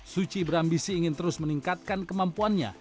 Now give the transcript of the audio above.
suci berambisi ingin terus meningkatkan kemampuannya